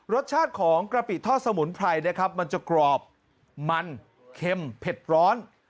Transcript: รสชาติของกะปิทอดสมุนไพรนะครับมันจะกรอบมันเค็มเผ็ดร้อน